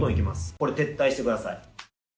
これ、撤退してください。